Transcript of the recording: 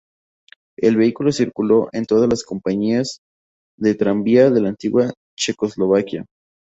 El vehículo circuló en todas las compañías de tranvía de la antigua Checoslovaquia.